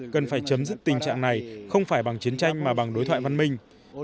cần phải chấm dứt tình trạng này không phải bằng chiến tranh mà bằng đối thoại văn minh